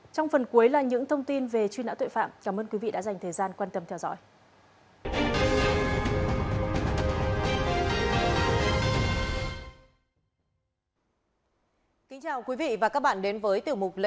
trong phần cuối là những thông tin về truy nã tội phạm cảm ơn quý vị đã dành thời gian quan tâm theo dõi